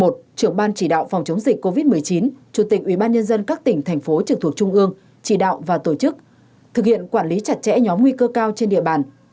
trưởng ban chỉ đạo phòng chống dịch covid một mươi chín chủ tịch ubnd các tỉnh thành phố trực thuộc trung ương chỉ đạo và tổ chức thực hiện quản lý chặt chẽ nhóm nguy cơ cao trên địa bàn